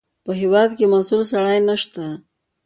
په هېواد کې مسوول سړی نشته.